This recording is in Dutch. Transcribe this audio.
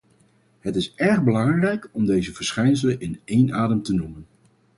Het is erg belangrijk om deze verschijnselen in één adem te noemen.